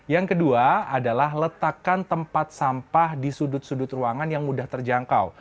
yang kedua adalah letakkan tempat sampah di sudut sudut ruangan yang mudah terjangkau